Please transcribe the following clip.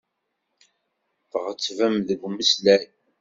Tɣettbem deg umeslay.